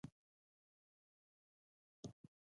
عیسی علیه السلام په یوه غار کې زېږېدلی دی.